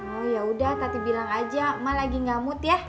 oh ya udah tati bilang aja mak lagi gamut ya